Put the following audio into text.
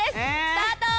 スタート！